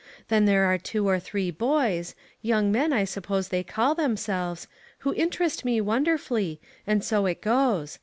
Then there are two or three boys — young men, I suppose they call them selves— who interest me wonderfully, and so it goes.